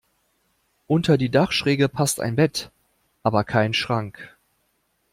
Unter die Dachschräge passt ein Bett, aber kein Schrank.